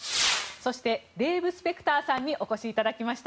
そしてデーブ・スペクターさんにお越しいただきました。